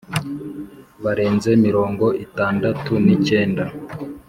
barenze mirongo itandatu nicyenda